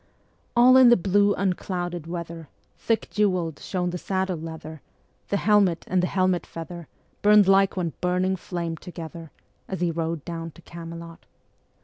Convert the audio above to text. All in the blue unclouded weather Thick jewell'd shone the saddle leather, The helmet and the helmet feather Burn'd like one burning flame together, Ā Ā As he rode down to Camelot.